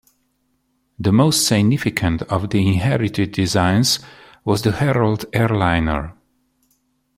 The most significant of the inherited designs was the Herald airliner.